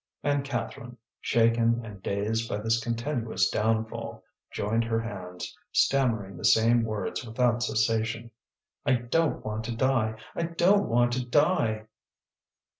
And Catherine, shaken and dazed by this continuous downfall, joined her hands, stammering the same words without cessation: "I don't want to die! I don't want to die!"